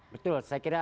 betul saya kira